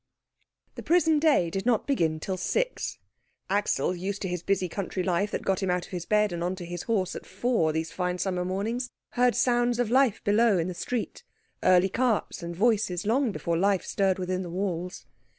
The prison day did not begin till six. Axel, used to his busy country life that got him out of his bed and on to his horse at four these fine summer mornings, heard sounds of life below in the street early carts and voices long before life stirred within the walls.